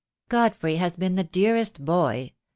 "Godfrey has been the dearest boy.